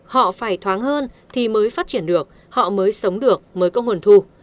họ phải thoáng hơn thì mới phát triển được họ mới sống được mới có nguồn thu